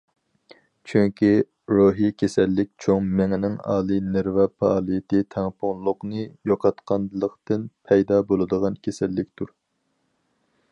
چۈنكى روھىي كېسەللىك چوڭ مېڭىنىڭ ئالىي نېرۋا پائالىيىتى تەڭپۇڭلۇقنى يوقاتقانلىقتىن پەيدا بولىدىغان كېسەللىكتۇر.